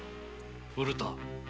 古田。